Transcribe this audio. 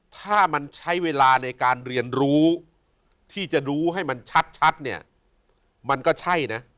ถ้ามันใช้เวลาในการเรียนรู้ที่จะรู้ให้มันชัดเนี่ยมันก็ใช่นะ